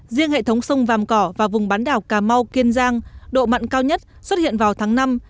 riêng hệ thống sông vàm cỏ và vùng bán đảo cà mau kiên giang độ mặn cao nhất xuất hiện vào tháng năm